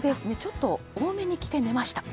ちょっと多めに着て寝ました。